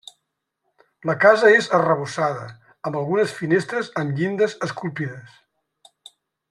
La casa és arrebossada, amb algunes finestres amb llindes esculpides.